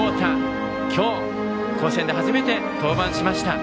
星山豪汰、今日甲子園で始めて登板しました。